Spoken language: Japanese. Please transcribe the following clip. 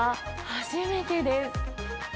初めてです。